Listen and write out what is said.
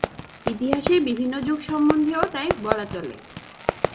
ইতিহাসের বিভিন্ন যুগ সম্বন্ধেও তাই বলা চলে।